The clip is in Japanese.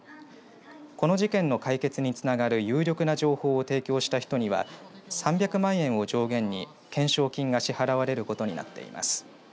この事件の解決につながる有力な情報を提供した人には３００万円を上限に懸賞金が支払われることになっています。